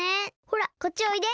ほらこっちおいで。